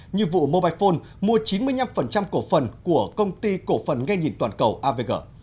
như vụ mobile phone mua chín mươi năm cổ phần của công ty cổ phần nghe nhìn toàn cầu avg